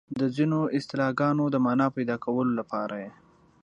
د ځینو اصطلاحګانو د مانا پيدا کولو لپاره یې